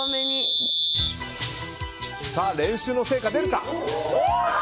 練習の成果、出るか。